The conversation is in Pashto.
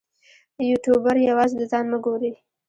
یوټوبر یوازې د ځان مه ګوري.